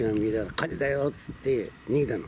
火事だよと言って逃げたの。